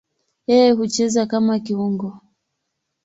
Yeye hucheza kama kiungo.